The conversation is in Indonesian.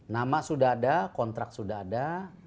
nama sudah ada kontrak sudah ada